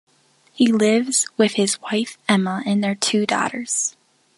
He lives with his wife Emma and their two daughters.